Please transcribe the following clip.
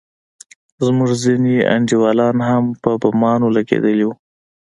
زموږ ځينې انډيولان هم په بمانو لگېدلي وو.